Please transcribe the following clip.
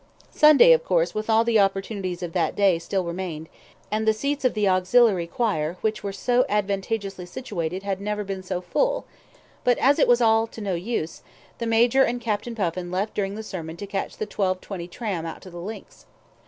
... Sunday, of course, with all the opportunities of that day, still remained, and the seats of the auxiliary choir, which were advantageously situated, had never been so full, but as it was all no use, the Major and Captain Puffin left during the sermon to catch the 12.20 tram out to the links.